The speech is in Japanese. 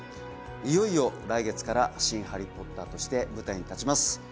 いよいよ来月から新ハリー・ポッターとして舞台に立ちます